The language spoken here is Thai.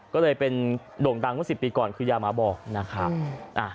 ก็เลยเป็นโด่งดังเมื่อ๑๐ปีก่อนคือยาหมาบอกนะครับ